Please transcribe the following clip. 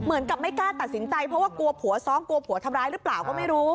เหมือนกับไม่กล้าตัดสินใจเพราะว่ากลัวผัวซ้อมกลัวผัวทำร้ายหรือเปล่าก็ไม่รู้